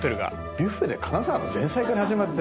ビュッフェで金沢の前菜から始まって。